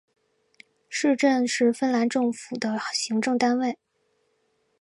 市镇是芬兰地方政府的行政单位。